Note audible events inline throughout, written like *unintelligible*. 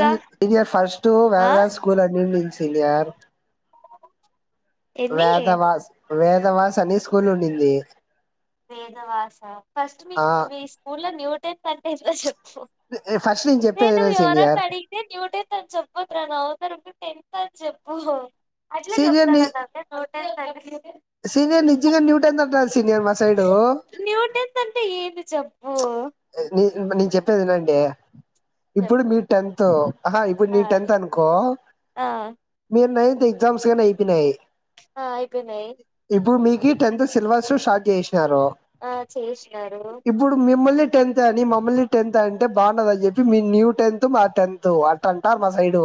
రా ఇది ఫస్ట్టు ఆ వేద స్కూల్ అన్నిడించి సినియర్ ఎన్ని వేత మస్ వేదవాస అని స్కూల్ ఉన్నింది వేదవాస ఫస్ట్ మీ మీ స్కూల్ లో న్యూ కంటే చెప్పు పూ ఫస్ట్ నేను రే చెప్పేది నువ్ విను ఎవరన్న సీనియర్ అడిగితే న్యూటెన్ అన్ చొప్పకుర నవతరు టెన్త్ అని చెప్పు ఆట్లే సీనియర్ ని జప్తాడా కాక నోట్ *inaudible* సీనియర్ నిజంగా న్యూటన్ దంట సీనియర్ మా స్కూ రైడొ అంటే న్యూటెన్త్ అంటే ఏంది చెప్ నేను చెప్పేది ఇనండి ఇప్పుడు చెప్పు మీ టెన్త్ ఆహా ఇప్పుడు ఆ నీ టెన్త్ అనుకో మీరు నైన్త్ ఎగ్జామ్స్ గానీ అయిపోయినాయి ఆ అయిపోయినాయి ఇప్పుడు మీ మీ టెన్త్ సిలబస్ స్టార్ట్ చేస్ నారు ఆ చేసినారు ఇప్పుడు మిమ్మల్ని టెన్త్ అని మమల్ని టెన్త్ అంటే బాగుండదనీ చెప్పి మీ న్యూ టెన్త్ మా టెన్త్ అట్ట అంటారు మా సైడ్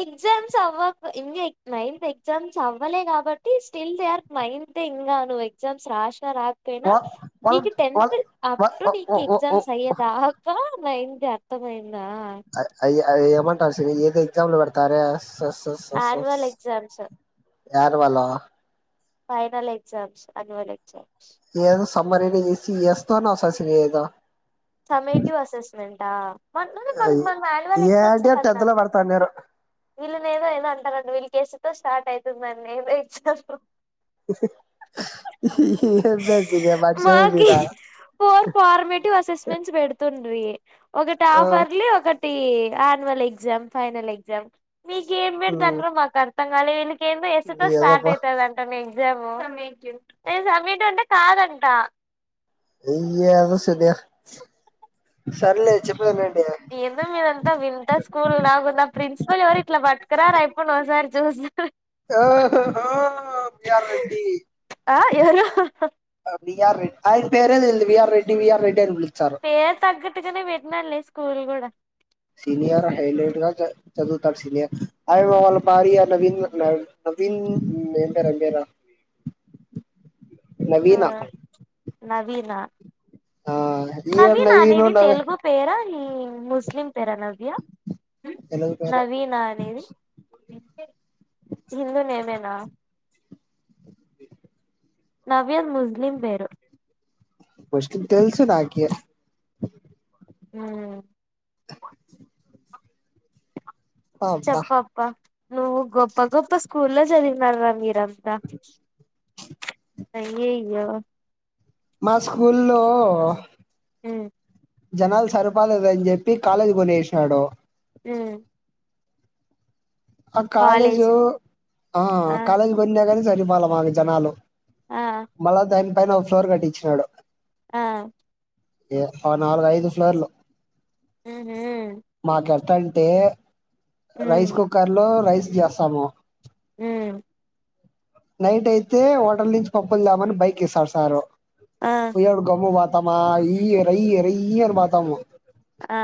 ఎగ్జామ్స్ అవ్వ ఇంగా నాయిన్త్ ఎగ్జామ్స్ అవ్వలే కాబట్టి స్టిల్ దే ఆర్ నాయిన్త్ తే ఇంగా నువ్వు ఎగ్జామ్స్ రాస్ నా రాకపోయినా వా వాళ్ళ నీకు వాళ్ళ టెన్త్ వ అప్ టు ఓ నీకు ఓ ఓ ఎగ్జామ్స్ అయ్యేదాకా నైన్త్ యా అత్తమైన్ అయి అయ్యా అయ్ ఏమన్ ఫస్ట్ ఇయ్యి అయితే ఎగ్జామ్ పెడతారా annual exams annual final exams అన్యువలే ఏదుస్ అమ్మ నిన్ను చూస్తే ఎస్త నా శశి లేదా సమ్మిటీవ్ అసెస్మెంట్ టా మన్ మన మనం మనకు ఆన్యువల్ ఏ అంటే ఎగ్జామ్స్ఏ కదా టెన్త్ లో నన్నుడిగింది పెడతాన్నారు వీళ్ళని ఏదో ఏదో అంటారండి వీళ్ళకి టేస్ స్టార్ట్ అయితుందండి మరిచే మాకి పోయిన పెడుతుండ్రీ ఒకటి ఆఫర్లీ ఒకట్ టి ఆన్వల్ ఎగ్జామ్ ఫైనల్ ఎగ్జామ్ మీకేం ఉమ్ పెడ్తాన్రు మాక్ అర్ తల్వలేనిది ఏందో ఎస్ తో స్టార్ట్ ఏదోబ్బా అయితది అంట నేమ్ సమ్మేటివ్ నేను సమ్మేటివ్ అంటే కాదంట ఈ యాదో వస్తది ఏందో మీరంతా వింత స్కూల్ లాగున్న ప్రిన్సిపాల్ ఎవరు ఇట్లా పట్కారారా ఆయప్పని ఒకసారి చూస్తా వీఆర్ రెడ్డి ఆ ఎవరు వీఆర్ రెడ్డి ఆయన పేరే వీళ్ళు వీఆర్ రెడ్డి వీఆర్ అనీ పిల్ పేరు తగ్గట్టుగానే పెట్టీనాడులే స్కూ స్కూల్ గూడ సీనియర్ హైలైట్ గా చదు చదువుతారు సీనియర్ అ వాళ్ళ భార్య నవీ నవీన్ ఏం పేరు పేరు ఆ నవీనా నవీనా ఆ ఈయన అవి నవీను నావేవి నవీ తెలుగు పేరా ఉ ముస్లిం పేరా నవ్య తెలుగు పేరే నవీనా అనేది హిందూ నేమేం రా నవ్యద్ ముస్లిం పేరు ఫస్ట్ తెలుసు నాకి ఉ అబ్బా చెప్పప్ప నువ్వు గొప్ప గొప్ప స్కూల్లో చదివిన రా మీరంతా అయ్యయ్యో మా స్కూల్ లో ఉ జనాలు సరిపాలేదు అని చెప్పి కాలేజ్ కొనేసాడు ఉం ఆ కాలేజు ఆ కాలేజ్ బందైనక సర్ మాల బాగా జనాలో ఆ మల్లా దైనిక్ పైన ఓ ఫ్లోర్ కట్టించినాడు ఆ ఏ ఆ నాలుగు ఐదు ఫ్లోర్ ల్లో ఉహుం టంటే రైస్ కు లో రైస్ చేస్తాము హ్మ్మ్ నైట్ అయితే హోటల్ నుంచి పప్పులుదేమని బైక్ ఇస్తాడు సారు ఆ పొయ్యడు గమ్ము పోతామా ఇయ్య ర్రాయ్యి ర్రాయ్యి అని పోతాము ఆ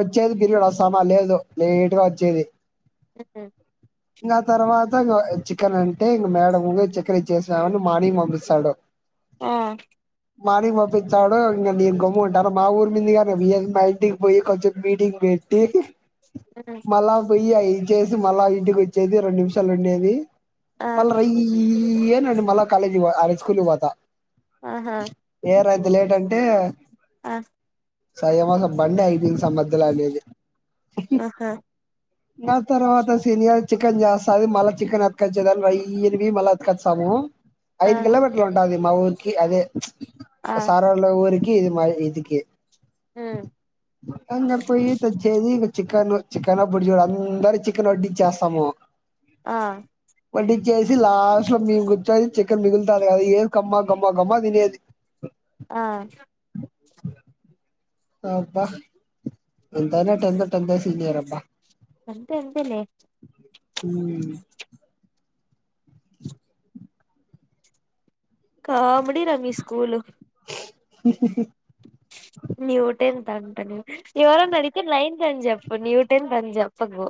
వచ్చేది పిరిగుడు సమా లేదు లేట్గా వచ్చేది ఉం ఇంకా తర్వాత గా చి క్కనంటే ఇంక మేడం చక్కర ఇచ్చేసిరా మని మార్నింగ్ పంపిస్తాడు ఆ మార్నింగ్ పప్పించాడు ఇంకా నేను గమ్ము న ఉంటన మా ఊరి మీందుగానే మా ఇంటికి పోయి కొంచెం మీటింగ్ పెట్టి మ్మ్ మళ బోయ్యి అయి వచ్చేసి మళ్ళా ఇంటికి వచ్చేది రెండు నిమిషాలు ఉండేది ఆ మళ్ల ర్రయ్యి య్యి నా మల కాలేజ్ కి ఈ స్కూల్ కి పోత ఆహా పెద్ద లేట్ అంటే ఆ సయవ బండి ఆగిపోయింది స మధ్యాల అనేది అహ నా తర్వాత సీనియర్ చికెన్ చేస్తది మళ్ళా చికెన్ అతుకచ్చేదానికి ర్రాయ్యిన పోయి మళ్ళ అతుకస్తాము ఆ ఐదు కిలోమీటర్లు ఉంటది మా ఉరికి అదే ఆ సారలో ఊరి ఇ ఇది మ ఇదికి మ్మ్ అన్న పోయి తెచ్చ ఏది చికెన్ చికెన్ ఇప్పుడు చూడు అందర చికెన్ వడ్డీ చేస్తాము ఆ వడ్డిచ్చేసి లాస్ట్ లో మేము కూర్చొని చికెన్ మిగులుతంది కదా ఏది కమ్మా గమ్మా గమ్మా తినేది ఆ అబ్బ ఎంతనే టన్త్ టన్త్ ఎ సీనియర్ అబ్బా అంతే అంతేలే ఊ కామెడీరా మి స్కూలు ఉహు హు న్యూటెన్ తంటనే ఇవార నడితే నైన్త్ తంజప్ న్యూటెన్ తంజప్పకు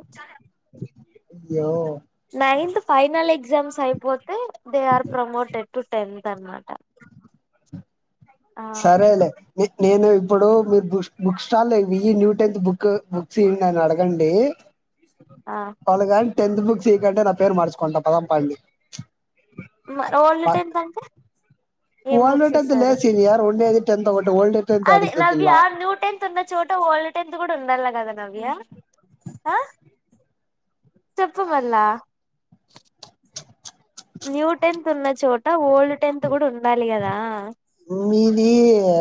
అయో నైన్త్ ఫైనల్ ఎగ్జామ్స్ అయిపోతే they are promoted to tenth తర్మాట సరేలే ని నేను ఇప్పుడు మీరు బుష్ బుక్ స్టాల్ విఈ న్యూ టెన్త్ బుక్ బుక్స్ ఇడి అని అడగండి ఆ పలగడ్ టెన్త్ బుక్ సీకంటే నా పేరు మర్చుకుంట పదం పండి మ ఓల్డ్ టెంతంటే ఏం ఓల్డ్ బుక్స్ టెన్త్ ఇస్తారు లేదు సీనియర్ ఉండేది టెన్త్ ఒకటి ఓల్డ్ టెన్త్ అది అడిగితే పిల్ల నవ్య న్యూ టెన్త్ ఉన్న చోట ఓల్డ్ టెన్త్ గూడా ఉండాలి గద నవ్య హా చెప్పు మల్ల న్యూ టెన్త్ ఉన్న చోట ఓల్డ్ టెన్త్ గూడా ఉండాలి గదా మీది ఆ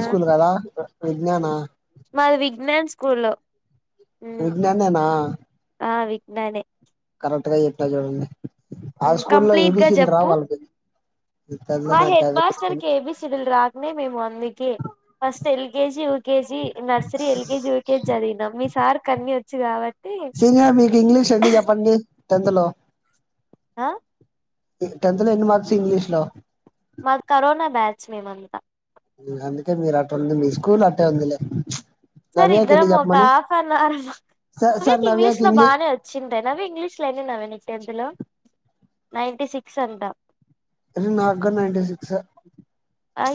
ఆ స్కూల్ గదా విజ్ఞానా మాది విజ్ఞాన్ స్కూల్ లో విజ్ఞానేనా జ్ఞానే ఎంటగా జెప్నా జూడండి ఆ స్కూల్ లో కంప్లీట్ గా ఏబిసీలు చెప్పు రావాలకయి మా head master A B C D లు రాకనే మేము అందుకే first LKG UKG nursery LKG UKG చదివినాం మీ సార్ కు అన్ని ఒచ్చు గాబట్టి ఎందులో ఆ మీక్ టెన్త్ లో ఎన్ని మార్క్స్ ఇంగ్లీష్ లో చ్ మేమంతా ఉ అందుకే మీరు అట్ట ఉండింది మీ స్కూల్ అట్టే ఉందిలే ప్చ్ సార్ ఇద్దరం ఒక half an hour sir sir నవ్యకు ఇంగ్లీష్ నవ్యాకి లో ఇంగ్లీ బానే వచ్చింటాయ్ నవ్య ఇంగ్లీష్ లోని ఎన్ని నీకు టెన్త్ లో నైంటి సిక్స్ అంటా త్రీ నాట్ కన్న *inaudible* సిక్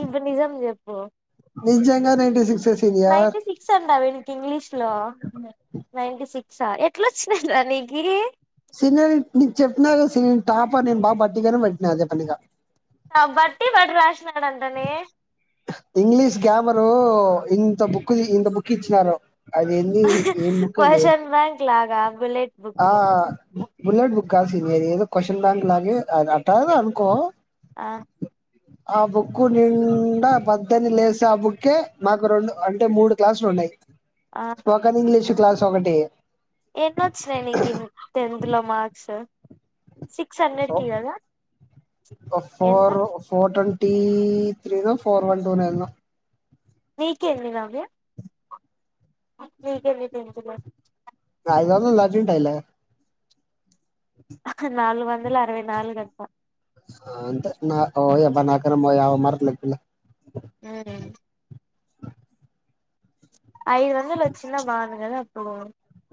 ఇప్పుడు నిజం నిజంగా ninety six senior ninety six అన్నావు వీడికి ఇంగ్లీష్ లో నైన్టీ సిక్సా, ఎట్లా వచ్చినయ్ రా నీకి శీను నీకు చెప్పిన కదా శీను టాపర్ నేను బాగా బట్టిగనం పట్టిన అదే పనిగా బట్టి పట్టి రాసినాడంటనే ఇంగ్లీష్ గ్యమరు ఇంత బుక్ తీసి, ఇంత బుక్ ఇచ్చినారు అది ఏంది ఏం బుక్ అది క్వశ్చన్ బ్యాంక్ లాగా బుల్లెట్ ఆ బుక్ ఉ బుల్లెట్ బుక్ కాదు సీను ఇది ఏదో క్వాషన్ బ్యాంక్ లాగే అని అంటారు అనుకో ఆ ఆ బుక్కు నిండా వద్దని లేస్ ఆ బుక్కే మాకు రెండు అంటే మూడు క్లాసులున్నాయి ఆ స్పోకెన్ ఇంగ్లీష్ క్లాస్ ఒకటి ఎన్ని వచ్చినయి నీకి టెన్త్లో మార్క్స్ సిక్స్ హండ్రెడ్ సో కి కదా ఎంత ఫోర్ ఫోర్టోన్ టీ త్రీనో ఫోర్ వన్ టూ నైన్ నీకెన్ని నవ్య నీకెన్ని టెన్త్ లో ఐదు వందల్ దాటి ఉంటాయిలె నాలుగు వం వందల అరవై నాలుగు అక్క ఆ అంతే నా ఓ నా కన్న ఓ యాభై మార్కులు ఎక్కులే హ్మ్ ఐదు వందలొచ్చిన బావుండు కదా అప్పుడు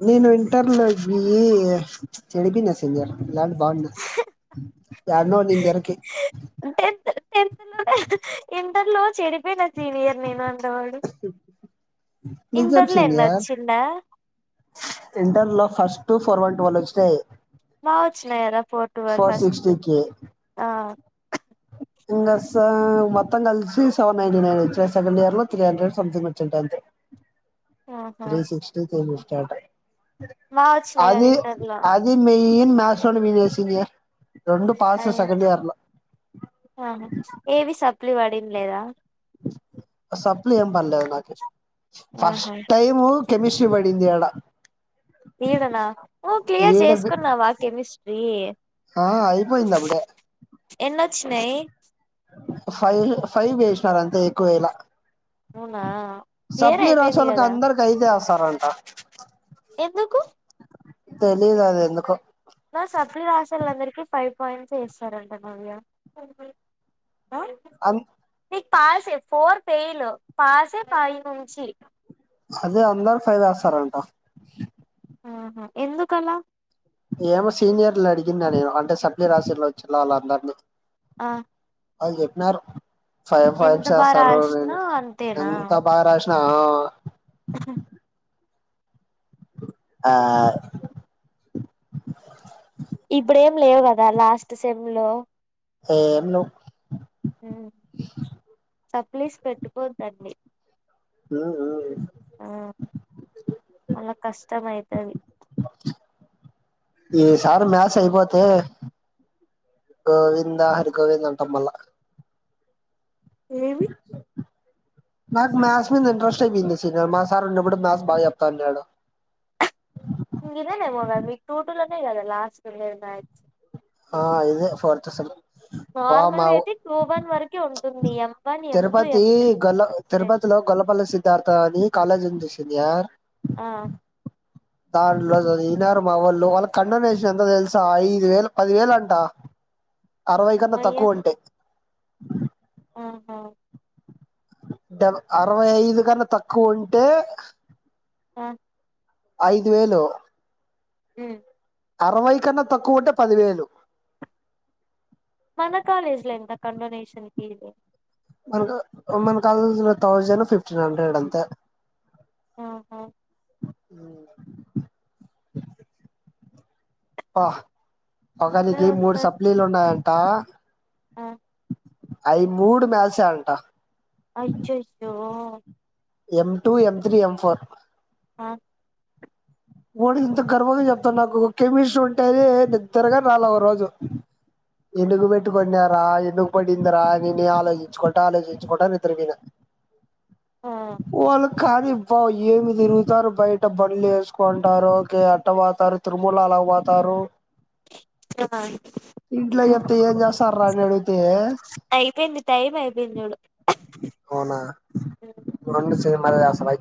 నేను ఇంటర్లోకి పోయి చెడిపోయిన సీనియర్ కానీ బాగున్నా యడ్నో *unintelligible* ఇంటర్లో చెడిపోయినా సీనియర్ నేను అని *unintelligible* ఇంటర్లో ఎన్ని వచ్చిండా ఇంటర్లో ఫస్ట్ ఫోర్ వన్ ట్వల్ వచ్చినయి బాగొచ్చినయ్ కదా ఫోర్ టువెల్ ఫస్ట్ సిక్స్టీకి ఆ ఇంగసా మొత్తం కల్సి సెవన్ నైన్టీ నైన్ వచ్చాయి. సెకండ్ ఇయర్లో త్రీ హండ్రెడ్ సమ్థింగ్ వచ్చుంటయి అంతే ఆహా త్రీ సిక్స్టీ ఇనాఫ్ చాట బా వచ్చినాయి అది కదా ఇంటర్ లో అది మె ఏం నా సౌండ్ మీద వేసిందిగ ఐ ఆహ ఏవి సప్ ప్లీ పడిండ్లేదా. సప్లీ ఏంపడలేదు నాకు ఫస్ట్ ఆహా టైమ్ కెమిస్ ప్లీ బడిన్దాడా ఇడనా ఓ క్లియర్ చేసుకున్నావా కెమిస్ట్రీ ఆ అయిపోయింది అప్పుడే ఎన్నోచ్ చినాయి. ఫైవ్ ఫైవ్ వేసినారు అంతే ఎక్కువ వెయల అవునా క్లియర్ సప్లీ రాసే అయిపోయింది కదా వాళ్ళుందరికి ఐదే ఎస్ స్తారంట. ఎందుకు తెలిదు అది ఎందుకో ఫైవ్ కి ఫైవ్ పాయింట్స్ వేస్సారంట నవ్య అ అన్ నిక్ పాసె ఫోర్ పేయిలు పాసె ఫైవ్ నుంచి అదే అందరు ఫైవ్ వేస్తారంట. ఆహా ఎందుకలా ఏమో సీనియర్లు అడిగిన్నా నేను అంటే సప్లీ రాసేకి వచ్చిల్లె వాళ్ళందరినీ ఆ వాల్ చెప్పినారు. ఫైవ్ ఫైవ్ ఎంత బా ఇచ్చేస్తారో నేను రాసినా అంతేనా ఎంత బాగ రాశిన ఆ ఉహ్ ఆ ఇప్పుడేం లేవు కదా లాస్ట్ సెమ్లో ఎ నో ఉ సప్లీస్ పెట్టుకోద్దండి. ఊ ఊ ఆ మల్లా కష్టం అయితది. ఈసారి మ్యాస్ అయిపోతే గోవింద హరిగోవింద అంటాం మళ్ళా ఏమీ నాకు మ్యాథ్స్ మీంద ఇంట్రెస్టే పోయింది అసలు మా సారు ఉన్నప్పుడే మ్యాథ్స్ బాగా చెప్తాన్నాడు. ఇంగిదేనేమో గద మీకు టూ టూ లోనే కాదా లాస్ట్ సేమ్ బ్యాచ్ ఆ ఇదే ఫోర్త్ సెమ్ బా మా నార్మల్గా అయితే టూ వన్ వరకే ఉంట్ న్టీయం. తిరుపతి గల్ల తిరుపతిలో గొల్లిపల్లి సి సిద్ధార్ధ అని కాలేజీ ఉంది సీనియర్. ఆ దాంలో జదివినారు మా వాళ్ళు వాళ్ళ కండోనేషన్ ఎంతో తెలుసా ఐదు వేలు పది వేలంటా. అరవై కన్న అయ్యా తక్కువ వుంటే ఆహా డవ అరవై ఐదు కన్నా తక్కువ ఉంటే ఆ ఐదు వేలు మ్మ్ అరవై కన్నా తక్కువ ఉంటే పదివేలు మన కాలేజ్ లో ఎంత కండొనేషన్ ఫీజ్ మనకు మనకు కాల్ జీలో థౌజండ్ ఫిఫ్టీన్ హండ్రెడ్ అంతే ఆహా హ్మ్ వాహ్ వస్తది ఒకరికి మూడు వస్తది. సప్లీలు ఉన్నాయ్ ఆ ఆ అయి మూడు మ్యాసే అంట అచ్చయ్యో M two M three M four ఆ వాడు ఇంత గర్వంగా చెప్తాడు నాకు కెమిస్ట్రీ ఉంటేనే నిద్రగా రాలా ఒక రోజు ఎందుకు పెట్టుకొన్యార ఎందుకు పడిందిరా నేనే ఆలోచించుకుంటా ఆలోచించుకుంటా నిద్ర పేయిన. ఆ వాళ్ళ్ కానీ బా ఏమి తిరుగుతారు బయట బండ్లు ఏస్ కొంటారు ఓకే అట్ట పోతారు తిరుమల అలా పోతారు ఆ అ ఇంట్లో చెప్తే ఏం చేస్తార్రా అని అడిగితే అయిపోయింది టైం అయిపోయింది చూడు అవునా *unintelligible* నేం మల్లజేస్సా బై